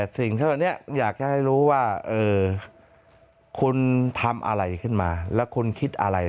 สิ่งเท่านี้อยากจะให้รู้ว่าคุณทำอะไรขึ้นมาแล้วคุณคิดอะไร